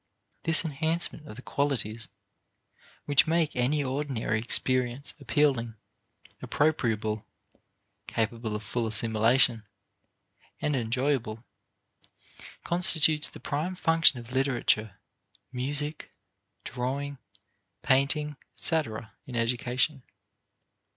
This enhancement of the qualities which make any ordinary experience appealing, appropriable capable of full assimilation and enjoyable, constitutes the prime function of literature, music, drawing, painting, etc., in education.